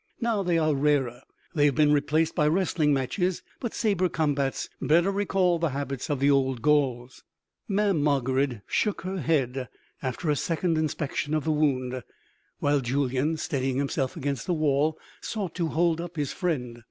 Now they are rarer; they have been replaced by wrestling matches; but sabre combats better recall the habits of the old Gauls." Mamm' Margarid shook her head after a second inspection of the wound, while Julyan steadying himself against the wall sought to hold up his friend.